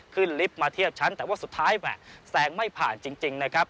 ลิฟต์มาเทียบชั้นแต่ว่าสุดท้ายแหม่แซงไม่ผ่านจริงนะครับ